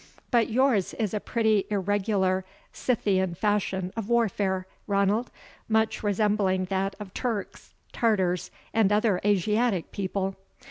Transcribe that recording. But yours is a pretty irregular Scythian fashion of warfare, Ranald, much resembling that of Turks, Tartars, and other Asiatic people.